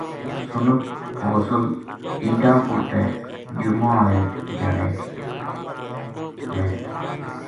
سنت غسل عیداں اپر تے جمعہ آؒلے تیہاڑذے